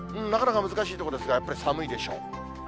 なかなか難しいところですが、やっぱり寒いでしょう。